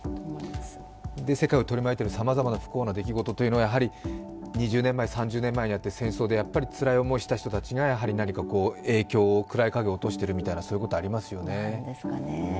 世界を取り巻いているさまざまな不幸な出来事というのはやはり２０年前、３０年前にあって戦争でやっぱりつらい思いをした人たちが何か影響を、暗い影を落としているみたいなことはありますよね。